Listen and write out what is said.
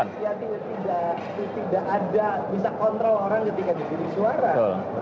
ya tidak ada bisa kontrol orang ketika di jurik suara